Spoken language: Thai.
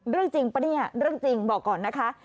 เรื่องจริงปะเนี่ยเรื่องจริงบอกก่อนนะคะ